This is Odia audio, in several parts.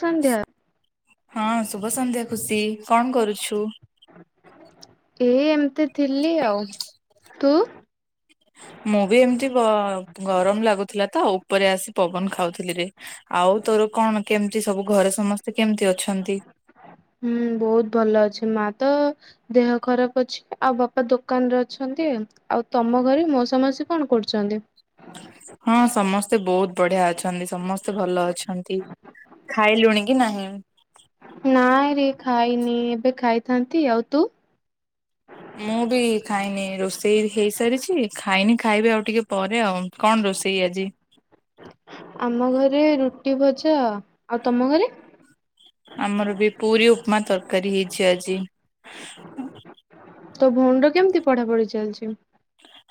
ସନ୍ଧ୍ୟା ହଁ ଶୁଭ ସନ୍ଧ୍ୟା ଖୁସି, କଣ କରୁଛୁ? ଏଇ ଏମିତି ଥିଲି ଆଉ ତୁ ମୁଁ ବି ଏମିତି ବ ଗରମ ଲାଗୁଥିଲା ତ ଉପରେ ଆସି ପବନ ଖାଉଥିଲି ରେ, ଆଉ ତୋର କଣ କେମିତି ସବୁ, ଘରେ ସମସ୍ତେ କେମିତି ଅଛନ୍ତି? ହୁଁ ବହୁତ ଭଲ ଅଛି, ମା ତ ଦେହ ଖରାପ ଅଛି, ଆଉ ବାପା ଦୋକାନରେ ଅଛନ୍ତି। ଆଉ ତମ ଘରେ ମଉସା ମାଉସୀ କଣ କରୁଛନ୍ତି? ହଁ ସମସ୍ତେ ବହୁତ ବଢିଆ ଅଛନ୍ତି, ସମସ୍ତେ ଭଲ ଅଛନ୍ତି ଖାଇଲୁଣି କି ନାହିଁ? ନାଇଁ ରେ ଖାଇନି, ଏବେ ଖାଇଥାନ୍ତି ଆଉ ତୁ? ମୁଁ ବି ଖାଇନି, ରୋଷେଇ ହେଇସାରିଛି, ଖାଇନି ଖାଇବି ଆଉ ଟିକେ ପ ରେ କଣ ରୋଷେଇ ଆଜି? ରେ ରୁଟି ଭଜା ଆଉ ତମ ଘରେ? ଆମର ବି ପୁରୀ, ଉପମା, ତରକାରୀ ହେଇଛି ଆଜି। ତ ଭଉଣୀର କେମିତି ପଢା ପଢି ଚାଲିଛି?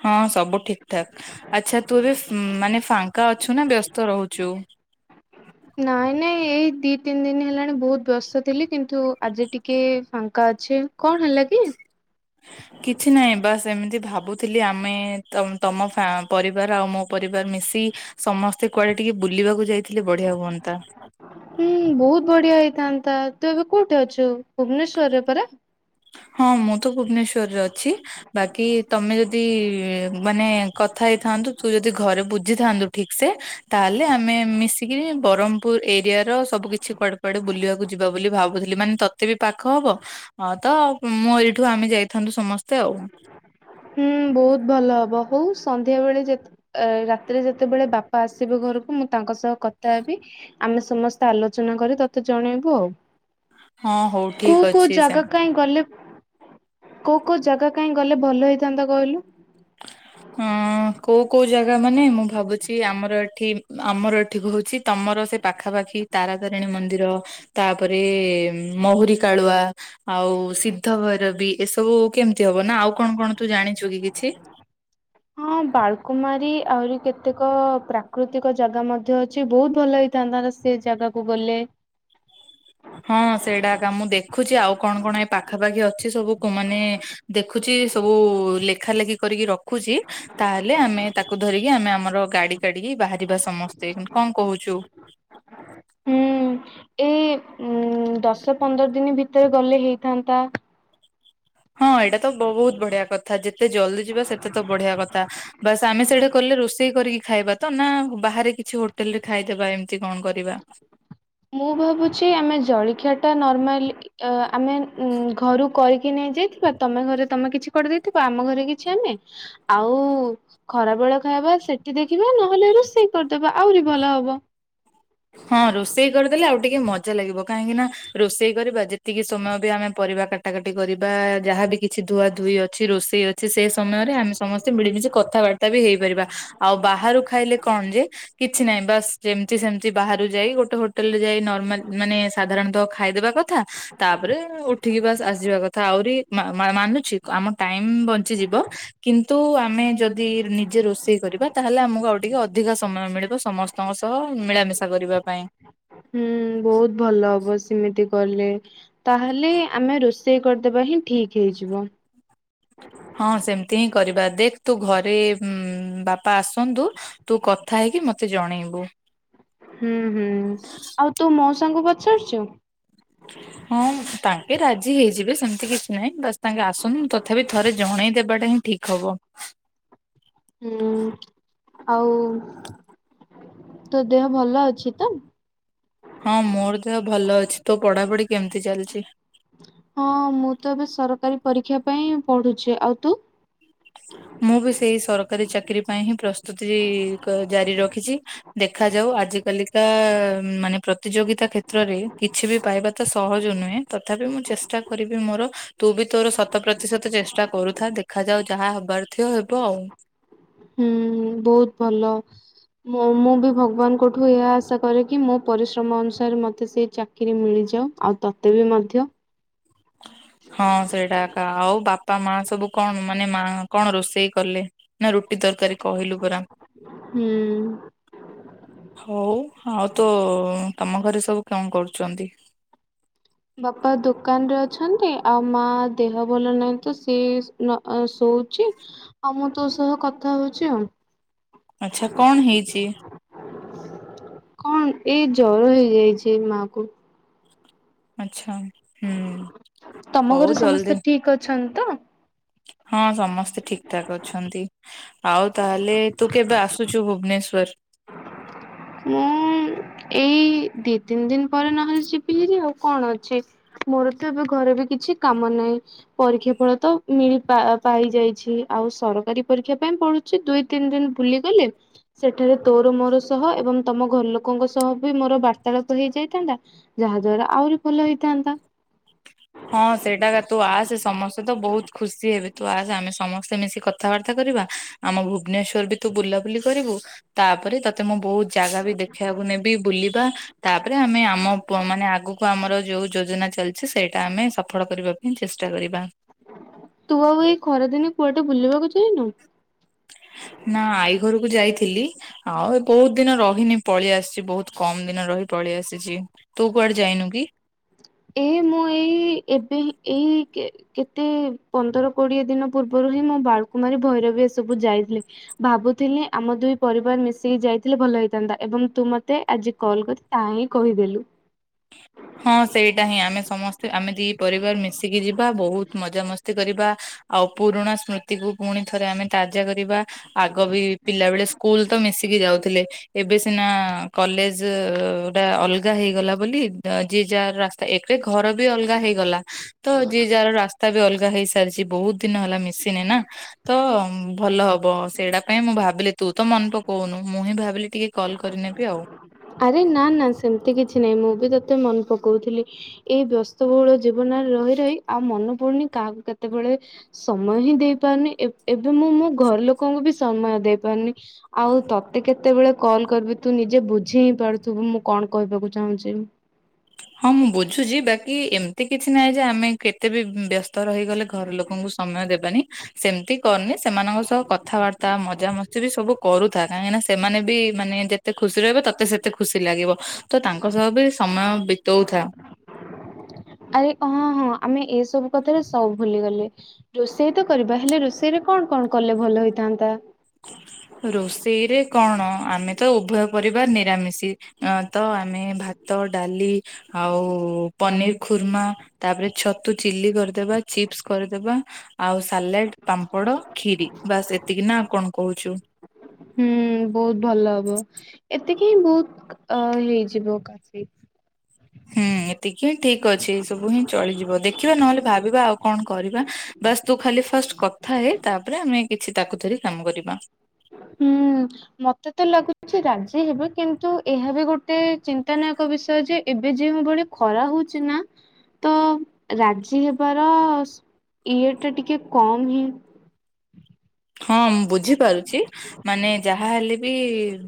ହଁ ସବୁ ଠିକ ଠାକ, ଆଚ୍ଛା ତୁ ବି ମାନେ ଫାଙ୍କା ଅଛୁ ନା ବ୍ୟସ୍ତ ରହୁଛୁ? ନାଇଁ ନାଇଁ, ଏଇ ଦି ତିନି ଦିନ ହେଲାଣି ବହୁତ ବ୍ୟସ୍ତ ଥିଲି କିନ୍ତୁ ଆଜି ଟିକେ ଫାଙ୍କା ଅଛି। କଣ ହେଲା କି? କିଛି ନାହିଁ, ବାସ୍ ଏମିତି ଭାବୁଥିଲି ଆମେ ତ ତମ ଫା ପରିବାର ଆଉ ମୋ ପରିବାର ମିଶି ସମସ୍ତେ କୁଆଡେ ଟିକେ ବୁଲିବାକୁ ଯାଇଥିଲେ ବଢିଆ ହୁଅନ୍ତା ହୁଁ ବହୁତ ବଢିଆ ହେଇଥାନ୍ତା। ତୁ ଏବେ କୋଉଠି ଅଛୁ? ଭୁବନେଶ୍ଵରରେ ପରା। ହଁ ମୁଁ ତ ଭୁବନେଶ୍ଵରରେ ଅଛି ବାକି ତମେ ଯଦି ମାନେ କଥା [unintelligible] ତୁ ଯଦି ଘରେ ବୁଝିଥାନ୍ତୁ ଠିକ ସେ ତାହେଲେ ଆମେ ମିଶିକିରି ବରମ୍ବପୂର ଏରିଆ ର ସବୁ କିଛି କୁଆଡେ କୁଆଡେ ବୁଲିବାକୁ ଯିବା ବୋଲି ଭାବୁଥିଲି ମାନେ ତତେ ବି ପାଖ ହବ୍ ତ ମୁଁ ଏଇଠୁ ଆମେ ଯାଇଥାନ୍ତୁ ସମସ୍ତେ ଆଉ। ହୁଁ ବହୁତ ଭଲ ହବ ହଉ ସନ୍ଧ୍ୟା ବେଳେ ଯେ ରାତିରେ ଯେତେବେଳେ ବାପା ଆସିବେ ଘ ରକୁ ମୁଁ ତାଙ୍କ ସହ କଥା ହେବି ଆମେ ସମସ୍ତେ ଆଲୋଚନା କରି ତତେ ଜଣେଇବୁ ଆଉ। ହଁ ହଉ ଠିକ କୋଉ କୋଉ ଅଛି ସେ ଜାଗା କାଇଁ ଗଲେ କୋଉ କୋଉ ଜାଗା କାଇଁ ଗଲେ ଭଲ ହେଇଥାନ୍ତା କହିଲୁ? ହଁ। କୋଉ କୋଉ ଜାଗା ମାନେ ମୁଁ ଭାବୁଛି ଆମର ଏଠି ଆମର ଏଠି କହୁଛି ତମର ସେ ପାଖାପାଖି ଖି ତାରା ତାରିଣୀ ମନ୍ଦିର ତାପରେ ମହୁରି କାଳୁଆ ଆଉ ସିଦ୍ଧ ଭୈରବୀ ଏସବୁ କେମତି ହବ ନା ଆଉ କଣ କଣ ତୁ ଜାଣିଛୁ କି କିଛି? ହ ହଁ ବାଳକୁମାରୀ ଆହୁରି କେତେକ ପ୍ରାକୃତିକ ଜାଗା ମଧ୍ୟ ଅଛି ବହୁତ ଭଲ ହେଇଥାନ୍ତା। [unintelligible] ସେ ଜାଗାକୁ ଗଲେ ହଁ ସେଇଟା କ ମୁଁ ଦେଖୁଛି ଆଉ କଣ କଣ ଏ ପାଖାପାଖି ଅଛି ସବୁ ମାନେ ଦେଖୁଛି ସବୁ ଲେଖା ଲେଖି କରି ରଖୁଛି ତାହେଲେ ଆମେ ତାକୁ ଧିରିକି ଆମେ ଆମର ଗାଡି କାଢିକି ବାହାରିବା ସମସ୍ତେୁ କଣ କହୁଛୁ? ହୁଁ। ଏ ଉଁ ଦଶ ପନ୍ଦର ଦିନ ଭିତରେ ଗଲେ ହେଇଥାନ୍ତା। ହଁ ଏଇଟା ତ ବହୁତ ବଢିଆ କଥା ଯେତେ ଜଲ୍ଦି ଯିବା ସେତେ ତ ବଢିଆ କଥା ବାସ୍ ଆମେ ସେଇଟା କଲେ ରୋଷେଇ କରିକି ଖାଇବା ତ ନା ବାହାରେ କିଛି ହୋଟେଲ ରେ ଖାଇଦବା ଏମିତି କଣ କରିବା। ମୁଁ ଭାବୁଛି ଆମେ ଜଳଖିଆ ଟା ନର୍ମାଲି ଆମେ ଘରୁ କରିକି ନେ ଯାଇଥିବା ତମେ ଘରେ ତମେ କିଛି କରିଦେଇଥିବ ଆମ ଘରେ କିଛି ଆମେ ଆଉ ଖରା ବେଳ ଖା ବା ସେଠି ଦେଖିବା ନହେଲେ ରୋଷେଇ କରିଦବା ଆହୁରି ଭଲ ହବ। ହଁ ରୋଷେଇ କରିଦେଲେ ଆଉ ଟିକେ ମଜା ଲାଗିବ କାହିଁକି ନା ରୋଷେଇ କରିବା ଯେତିକି ସମୟ ବି ଆମେ ପରିବା କାଟାକଟି କରିବା ଯାହାବି କିଛି ଧୁଆ ଧୁଇ ଅଛି ରୋଷେଇ ଅଛି ସେ ସମୟରେ ଆମେ ସମସ୍ତେ ମିଳିମିଶି କଥାବାର୍ତ୍ତା ବି ହେଇପାରିବା ଆଉ ବାହାରୁ ଖାଇଲେ କଣ ଯେ କିଛି ନାହିଁ ବା ଯେମତି ସେ ବାହାରୁ ଯାଇ ଗୋଟେ ହୋଟେଲରେ ଯାଇ ନର୍ମାଲ ମାନେ ସାଧାରଣତଃ ଖାଇଦେବା କଥା ତାପରେ ଉଠିକି ବାସ ଆସଯିବା କଥା ଆହୁରି ମା ମାନୁଛି ଆମ ଟାଇମ ବଞ୍ଚିଯିବ କିନ୍ତୁ ଆମେ ଯଦି ଯଦି ନିଜେ ରୋଷେଇ କରିବା ତାହେଲେ ଆମକୁ ଆଉ ଟିକେ ଅଧିକ ସମୟ ମିଳିବ ସମସ୍ତଙ୍କ ସହ ମିଳାମିଶା ଶା କରିବା ପାଇଁ। ହୁଁ ବହୁତ ଭଲ ହବ ସେମିତି। କଲେ ତାହେଲେ ଆମେ ରୋଷେଇ କରିଦବା ହିଁ ଠିକ ହେଇଯିବ। ହଁ ସେମିତି ହିଁ କରିବା ଦେଖ ତୁ ଘରେ ବାପା ଆସନ୍ତୁ ତୁ କଥା ହେଇ କରିକି ମତେ ଜଣେଇବୁ। ହୁଁ ହୁଁ ଆଉ ତୁ ମୋଉସାଙ୍କୁ ପଚାରୁଛୁ। ହଁ ତାଙ୍କେ ରାଜି ହେଇଯିବେ ସେମିତି କିଛି ନାହିଁ ବାସ୍ ତାଙ୍କେ ଆସନ୍ତୁ ତଥାପି ଥରେ ଜଣେଇ ଦେବାଟା ହିଁ ଠିକ ହବ। ହୁଁ ଆଉ ତୋ ଦେହ ଭଲ ଅଛି ତ। ହଁ ମୋର ଦେହ ଭଲ ଅଛି। ତୋ ପଢାପଢି କେମିତି ଚାଲିଚି? ହଁ ମୁଁ ତ ଏବେ ସରକାରୀ ପରୀକ୍ଷା ପାଇଁ ପଢୁଛି। ଆଉ ତୁ? ମୁଁ ବି ସେଇ ସରକାରୀ ଚାକିରି ପାଇଁ ହିଁ ପ୍ରସ୍ତୁତି ଜାରି ରଖିଛି। ଦେଖାଯାଉ ଆଜି କାଲିକା ମାନେ ପ୍ରତିଯୋଗିତା କ୍ଷେତ୍ରରେ କିଛି ବି ପାଇବା ତ ସହଜ ନୁହେଁ ତଥାପି ମୁଁ ଚେଷ୍ଟା କରିବି। ମୋର ତୁ ବି ତୋର ଶତ ପ୍ରତିଶତ ଚେଷ୍ଟା କରୁଥା ଦେଖ ଯାଉ ଯାହା ହବାର ଥିବ ହେବ ଆଉ ହୁଁ ବହୁତ ଭଲ ମୁ ମୁଁ ବି ଭଗବାନଙ୍କଠୁ ଏହା ଆଶା କରେ କି ମୋ ପରିଶ୍ରମ ଅନୁସାରେ ମତେ ସେ ଚାକିରି ମିଳିଯିବ। କୀଉଁ ଆଉ ତୋତେ ବି ମଧ୍ୟ ହଁ ସେଇଟା ଏକ ଆଉ ବାପା ବାପା ମା ସବୁ କଣ ମାନେ ମା କଣ ରୋଷେଇ କଲେ? ନା ରୁଟି ତରକାରୀ କହିଲୁ ପରା ହୁଁ। [unintelligible] ହଉ ଆଉ ତ ତମ ଘରେ ସବୁ କଣ କରୁଛନ୍ତି? ବାପା ଦୋକାନରେ ଅଛନ୍ତି ଆଉ ମା ଦେହ ଭଲ ନାହିଁ ତ ସେ ଆଁ ଶୋ - ହଉଛି ଆଉ ମୁଁ ତୋ ସହ କଥା ହଉଛି ଆଉ ଆଚ୍ଛା କଣ ହେଇଛି? କଣ ଏ ଜର ହେଇଯାଇଛି ମା କୁ ଆଚଛା ହୁଁ ତମ ହଉ ଘରେ ଜଲଦି ସମସ୍ତେ ଠିକ ଅଛନ୍ତି ତ? ହଁ ସମସ୍ତେ ଠିକ ଠାକ ଅଛନ୍ତି ଆଉ ତାହେଲେ ତୁ କେବେ ଆସୁଛୁ ଭୁବନେଶ୍ଵର [unintelligible] ମୁଁ ଏ ଦି ତିନି ଦିନ ପରେ ନହେଲେ ଯିବି ହେରି ଆଉ କଣ ଅଛି ମୋର ତ ଏବେ ଘରେ ବି କିଛି କାମ ନାହିଁ ନାଇଁ ପରୀକ୍ଷା ଫଳ ତ ମିଳି ପାଇ ଯାଇଛି ଆଉ ସରକାରୀ ପରୀକ୍ଷା ପାଇଁ ପଢ଼ି - ଦଇ ତିନ ଦିନ ବୁଲି ଗଲେ ସେଠାରେ ତୋର ମୋର ସହ ଏବଂ ତମ ଘର ଲୋକଙ୍କ ସହ ବି ମୋର- ବାର୍ତାଳାପ ହେଇଯାଇଥାନ୍ତା ଯାହା ଦଵାରା ଆହୁରି ଭଲ ହେଇଥାନ୍ତା। ହଁ ସେଇଟାକା ତୁ ଆସ ସମସ୍ତେ ତ ବହୁତ ଖୁସି ହେବେ। ତୁ ଆ ଆମେ ସମସ୍ତେ ମିଶି କଥାବାର୍ତ୍ତା କରିବା ଆମ ଭୁବନେଶ୍୍ୱର ବି ତୁ ବୁଲାବୁଲି କରିବୁ ତା ତାପରେ ତତେ ମୁଁ ବହୁତ ଜାଗା ବି ଦେଖିବାକୁ ନେବି ବୁଲିବା ତାପରେ ଆମେ ଆମ ମାନେ ଆଗକୁ ଆମର ଯୋଉ ଯୋଜନା ଚାଲିଛି ସେଇଟା ଆମେ ସ ତୁ ଆଉ ଏଇ ଖରାଦିନେ କୁଆଡେ ବୁଲିବାକୁ ଯାଇନୁ? [inaudible] ନା ଆଈ ଘରକୁ ଯାଇଥିଲି ଆଉ ଏ ବହୁତ ଦିନ ରହିନି ପଳେଇ ଆସିଛି ବହୁତ କମ ଦିନ ରହି ପଳେଇ ଆସିଛି ତୁ କୁଆଡେ ଯାଇନୁ କି? ଏ ମୁଁ ଏଇ ଏବେ ଏଇ କେ କେତେ ପନ୍ଦର କୋଡିଏ ଦିନ ପୂର୍ବରୁ ହିଁ ମୁଁ ବାଲକୁମାରୀ ଭୈରବୀ ଏସବୁ ଯାଇଥିଲି ଭାବୁ- ଥିଲ ଆମ ଦୁଇ ପରିବାର ମିଶି ଯାଇଥିଲେ ଭଲ ହେଇଥାନ୍ତା ଏବଂ ତୁ ମତେ ଆଜି କଲ୍ କରି ତା ହିଁ କହି [inaudible] ହଁ ସେଇଟା ହିଁ ଆମେ ସମସ୍ତେ ଆମେ ଦି ପରିବାର ମିଶିକି ଯିବା ବହୁତ ମଜାମସ୍ତି କରିବା ଆଉ ପୁରୁଣା ସ୍ମୃତିକୁୁ ପୁଣି ଥରେ ଆମେ ତା- ପୂଜା କରିବା ଆଗ ବି ପିଲାବେଳେ ସ୍କୁଲ ତ ମିଶିକି ଯାଉଥିଲେ ଏବେ- ସିନା କଲେଜ ଟା ଅଲଗା ହେଇଗଲା ବୋଲି ଯିଏ ଯା ରାସ୍ତା ଏକ ଘର ବି ଅଲଗା ହେଇଗଲା ତ ଯିଏ ଯାହାର ରାସ୍ତା ବି ଅଲଗା ହେଇସାରିଛି। ବହୁତ ଦିନ ହେଲା ମିଶିନି ନା ତ ଭଲ ହବ ସେଇଟା ପାଇଁ ମୁଁ ଭାବିଲି ତୁ ତ ମନେ ପକଉନୁ ମୁଁ ହିଁ ଭାବିଲି ଟିକେ କଲ୍ କରିନେବି ଆଉ। ଆରେ ନା ନା ସେମିତି କିଛି ନାହିଁ ମୁଁ ବି ତତେ ମନ ପକଉଥିଲି ଏଇ ବ୍ୟସ୍ତବହୁଳ ଜୀବନ ରହି ରହି ଆଉ ମନ ପଡୁନି କାହାକୁ କେତେବେଳେ ସମୟ ହିଁ ଦେଇ ପାରୁନି ଏ-ଏବେ ମୁଁ ମୋ ଘର ଲୋକଙ୍କୁ ବି ସମୟ ଦେଇ ପାରୁନି ଆଉ ତତେ କେତେବେଳେ କଲ କରିବି ତୁ ନିଜେ ବୁ ଝି ହିଁ ପାରୁଥିବୁ ମୁଁ କଣ କହିବାକୁ ଚାହୁଁଛି। ହଁ ମୁଁ ବୁଝୁଛି ବାକି ଏମିତି କିଛି ନାହିଁ ଯେ ଆମେ କେତେ ବି ବ୍ୟ ତ ରହିଗଲେ ଘର ଲୋକଙ୍କୁ ସମୟ ଦେବାନି ସେମତି କରନି ସେମାନଙ୍କ ସହ କଥାବାର୍ତ୍ତା ମଜା ମ ସବୁ କରୁଥା କାହିଁକି ନା ସେମାନେ ବି ମାନେ ଯେତେ ଖୁସି ରହିବେ ତତେ ସେତେ ଖୁସି ଲାଗିବ ତ ତାଙ୍କ ସହ ବି ସମୟ ବି ଆରେ ଅଁ ହଁ ଆମେ ଏ ସବୁ କଥାରେ ସବୁ ଭୁଲିଗଲେ ରୋଷେଇ ତ କରିବା ହେଲେ ରୋଷେଇରେ କଣ କଣ କଲେ ଭଲ ହୋଇଥାନ୍ତା? ରୋଷେଇରେ କଣ ଆମେ ତ ଉଭୟ ପରିବାର ନିରାମିଷି ତ ଆମେ ଭା ଭାତ ଡାଲି ଆଉ ପନିର ଖୁର୍ମା ତାପରେ ଛତୁ ଚିଲି କରିଦବା। ଚିପ୍ସ କରିଦେବା ଆଉ ସାଲାଡ଼ ପାମ୍ପଡ଼ କ୍ଷୀରି ବାସ୍ ଏତିକି ନା କଣ କହୁଛୁ। ହୁଁ ବହୁତ ଭଲ ହବ ଏତିକି ହିଁ ବହୁତ ଅ ହେଇଯିବ କାଫି। ହୁଁ ଏତିକି ହିଁ ଠିକ ଅଛି ଏ ସବୁ ହିଁ ଚଳିଯିବ ଦେଖିବା ନହେଲେ ଭାବିବା ଆଉ କଣ କରିବା ବାସ ତୁ ଖାଲି। ଫାର୍ଷ୍ଟ କଥା ହେ ତାପରେ ଆମେ କିଛି ତାକୁ ଧରି କାମ କରିବା। ହୁଁ ମତେ ତ ଲାଗୁଛି ରାଜି ହେବେ କିନ୍ତୁ ଏହା ବି ଗୋଟେ ଚିନ୍ତାନାୟକ ବିଷୟ। ଯେ ଏବେ ଯେଉଁ ଭଳି ଖରା ହଉଛି ନା। ତ ରାଜି ହେବାର ସ ଇଏ ଟା ଟିକେ କମ୍ ହିଁ। ହଁ ବୁଝିପାରୁଚି ମାନେ ଯାହା ହେଲେବି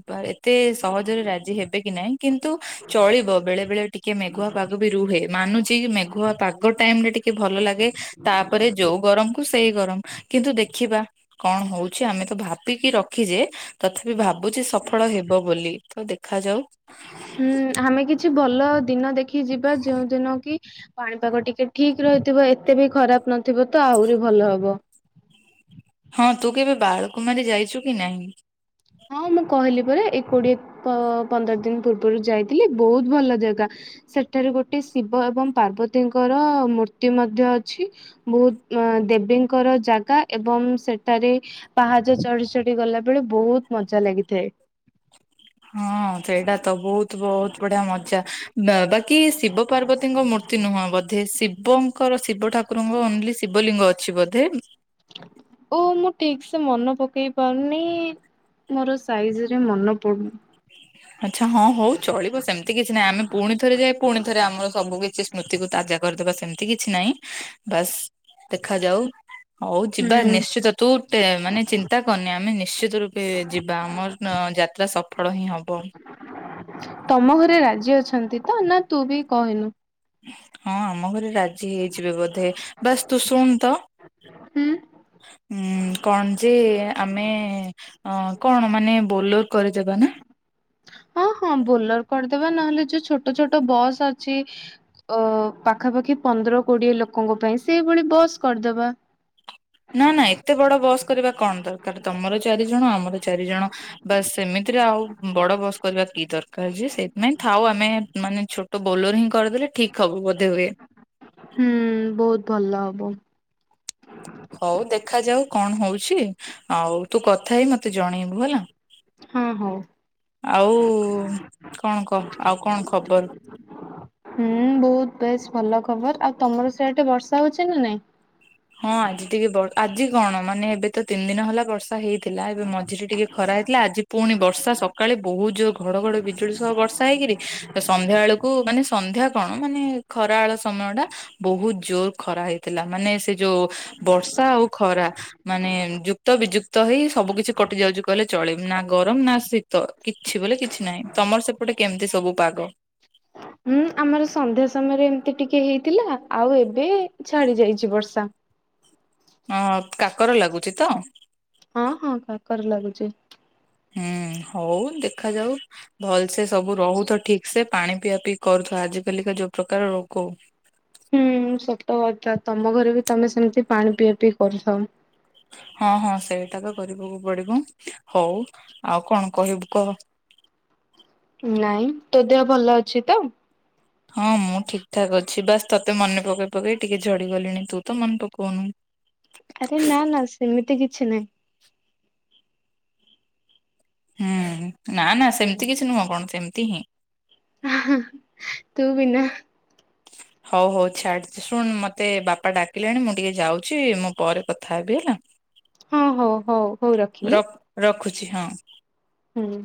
ପାରେ। ଏତେ ସହଜରେ ରାଜି ହେବେ କି ନାହିଁ କିନ୍ତୁ ଚଳିବ ବେଳେ ବେଳେ ଟିକେ ମେଘୁଆ ପାଗ ବି ରୁହେ। ମାନୁଚି ମେଘୁଆ ପାଗ ଟାଇମ ରେ ଟିକେ ଭଲ ଲାଗ ତାପରେ ଯୋଉ ଗରମକୁ ସେଇ ଗରମ କିନ୍ତୁ। କିନ୍ତୁ ଦେଖିବା କଣ ହଉଛି ଆମେ ତ ଭାବିକି ରଖିଛେ ତଥାପି ଭାବ ଭାବୁଛି ସଫଳ ହେବ ବୋଲି ତ ଦେଖାଯାଉ। ହୁଁ ଆମେ କିଛି ଭଲ ଦିନ ଦେଖି ଯିବା ଯୋଉ ଦିନ କି ପାଣିପାଗ ଟିକେ ଠିକ ରହିଥିବ ଏତେ ବି ଖରାପ ନ ଥିବ ତ ଆହୁରି ଭଲ ହବ। ହଁ ତୁ କେବେ ବାଳକୁମାରୀ ଯାଇଛୁ କି ନାହିଁ। ହଁ ମୁଁ କହିଲି ପରା। ଏ କୋଡିଏ ପ-ପନ୍ଦର ଦିନ ପୂର୍ବରୁ ଯାଇଥିଲି ବହୁତ ଭଲ ଜାଗା ସେଠାରେ ଗୋଟେ ଶି ବ ଏବଂ ପାର୍ବତୀଙ୍କର ମୂର୍ତ୍ତି ମଧ୍ୟ ଅଛି ବହୁତ ଦେବୀଙ୍କର ଜାଗା। ଏବଂ ସେଠାରେ ପାହାଚ ଚଢି ଚଢି ଗଲା ବେଳେ ବହୁତ। ମଜା ଲାଗିଥାଏ। ହଁ ସେଇଟା ତ ବହୁତ ବହୁତ ବଢିଆ ମଜା ବା-ବାକି ଶିବ ପାର୍ବତୀଙ୍କ ମୂ ତି ନୁହଁ ବୋଧେ ଶିବ ଙ୍କର ଶିବ ଠାକୁରଙ୍କ ଓନ୍ଲି ଶିବଲିଙ୍ଗ ଅଛି ବୋଧେ। ଓ ମୁଁ ଠିକ ମନେ ପକେଇ ପାରୁନି ମୋର ସାଇଜ ରେ ମନେ ପଡୁନି। ଆଚ୍ଛା ହଁ ହଉ ଚଳିବ ସେମିତି କିଛି ନାହିଁ ଆମେ ପୁଣି ଥରେ ଯାଇ ପୁଣି ଥରେ ଆମର ସବୁ କିଛି ସ୍ମୃତିକୁ ତାଜା କରିଦେବା ସେମ କିଛି ନାହିଁ ବାସ୍ ଦେଖାଯାଉ। ହଉ ଯିବା ହୁଁ ନିଶ୍ଚିତ ତୁ ଟେ ମାନେ ଚିନ୍ତା କରନି ଆମେ ନିଶ୍ଚିତ ରୂପେ ଯିବା ଆମର ନ ଯାତ୍ରା ସ ତମ ଘରେ ରାଜି ଅଛନ୍ତି ତ ନା ତୁ ବି କହିନୁ। ହଁ ଆମ ଘରେ ରାଜି ହେଇଯିବେ ବୋଧେ ବାସ ତୁ ଶୁଣ ତ। ହୁଁ। ଉଁ କଣ ଯେ ଆମେ କଣ ମାନେ ବୋଲୋର କରିଦେବା ନା। ହଁ ହଁ ବୋଲେୋର କରିଦେବା ନହେଲେ ଯୋଉ ଛୋଟ ଛୋଟ ବସ୍ ଅଛି ଅ ପାଖାପାଖି। ପନ୍ଦର କୋଡିଏ ଲୋକଙ୍କ ପାଇଁ ସେଇଭଳି ବସ୍ କରିଦବା। ନା ନା ଏତେ ବଡ ବସ୍ କରିବା କଣ ଦରକାର ତମର ଚାରି ଜଣ ଆମର ଚାରି ଜଣ ବାସ୍ ସେମିତିରେ ଆଉ। ଆଉ ବଡ ବସ୍ କରିବା କି ଦରକାର ଯେ ସେଥିପାଇଁ ଥାଉ ଆମେ ମାନେ ଛୋଟ ବୋଲର୍ ହିଁ କରିଦେଲେ ଠିକ। ହବ ବୋଧେ ହୁଏ ହୁଁ ବହୁତ ଭଲ ହବ। ହଉ ଦେଖାଯାଉ କଣ ହଉଛି ଆଉ ତୁ କଥା ହେଇ ମତେ ଜଣେଇବୁ ହେଲା। ହଁ ହଉ। ଆଉ କଣ କହ ଆଉ କଣ ଖବର। ହୁଁ ବହୁତ ବେଶ ଭଲ ଖବର ଆଉ ତମର ସେଠେ ବର୍ଷା ହଉଛି ନା ନାଇଁ। ହଁ ଆଜି ଟିକେ ବ ଆଜି କଣ ମାନେ ଏବେ। ତ ତିନି ଦିନ ହେଲା ବର୍ଷା ହେଇଥିଲା ଏବେ ମଝିରେ ଟିକେ ଖରା ହେଇଥିଲା ଆଜି ପୁଣି ବର୍ଷା ସକାଳେ ବହୁତ ଜୋର ଘ ଘଡ଼ି ବିଜୁଳି ସହ ବର୍ଷା ହେଇକିରି ସନ୍ଧ୍ୟା ବେଳକୁ ମାନେ ସନ୍ଧ୍ୟା କଣ ମାନେ ଖରା ବେଳ ସମୟ। ଟା ବହୁତ ଜୋର ଖରା ହେଇଥିଲା ମାନେ ସେ ଯୋଉ ବର୍ଷା ଆଉ ଖରା ମାନେ ଯୁକ୍ତ ବିଯୁକ୍ତ ହେଇ ସବୁ କିଛି କଟି ଯାଉଛି କହିଲେ ଚଳେ ନା ଗରମ ନା ଶୀତ କିଛି ବୋଲେ କିଛି ନାହିଁ ତମର ସେପଟେ କେମିତି ସବୁ ପାଗ? ହୁଁ ଆମର ସନ୍ଧ୍ୟା ସମୟରେ ଏମିତି ଟିକେ ହେଇଥିଲା। ଆଉ ଏବେ ଛାଡି ଯାଇଛି ବର୍ଷା। ଅ କାକର ଲାଗୁଛି ତ? ହଁ ହଁ କାକର ଲାଗୁଛି। ହୁଁ ହଉ ଦେଖାଯାଉ ଭଲ ସେ ସବୁ ରହୁଥ ଠିକ ସେ ପାଣି ପିଆ ପିଇ କରୁଥ ଆଜିକାଲିକା ଯୋଉ ପ୍ରକାର ରୋଗ ହୁଁ ସତ କଥା ତମ ଘରେ ବି ତମେ ସେମିତି ପାଣି ପିଆ ପିଇ କରୁଥାଅ। ହଁ ହଁ ସେଇଟା ତ କରିବାକୁ ପଡିବ। ହଉ ଆଉ କଣ କହିବୁ କହ? ନାଇଁ ତୋ ଦେହ ଭଲ ଅଛି ତ? ହଁ ମୁଁ ଠିକ୍ ଠାକ୍ ଅଛି। ବାସ୍ ତୋତେ ମନେ ପକେଇ ପକେଇ ଟିକେ ଝଡିଗଲିଣି ତୁ ତ ମନେ ପକଉନୁ। ଆରେ ନା ନା ସେମିତି କିଛି ନାହିଁ। ହୁଁ ନା ନା ସେମିତି କିଛି ନୁହଁ କଣ ସେମିତି ହିଁ। ହା ହା ତୁ ବିନା ହଉ ହଉ ଛାଡ୍ ଶୁଣ ମତେ ବାପା ଡାକିଲେଣି ମୁଁ ଟିକେ ଯାଉଛି ମୁଁ ପରେ କଥା ହେବି ହେଲା। ହଁ ହଉ ହଉ ହଉ ରଖିଲି। ଛି ହଁ। ହୁଁ।